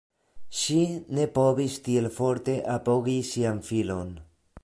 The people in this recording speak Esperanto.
Ŝi ne povis tiel forte apogi sian filon.